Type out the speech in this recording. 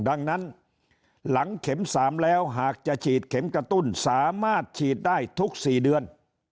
ดังนั้นหลังเข็ม๓แล้วหากจะฉีดเข็มกระตุ้นสามารถฉีดได้ทุก๔เดือน